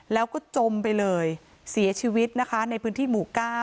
แล้วก็จมไปเลยเสียชีวิตนะคะในพื้นที่หมู่๙